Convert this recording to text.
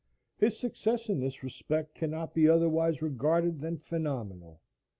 His success in this respect cannot be otherwise regarded than phenomenal.